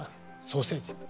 ソーセージ。